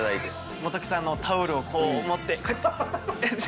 元木さんのタオルをこう持ってこうやって。